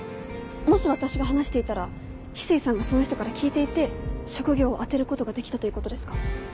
もし私が話していたら翡翠さんがその人から聞いていて職業を当てることができたということですか？